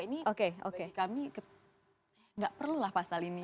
ini bagi kami gak perlu lah pasal ini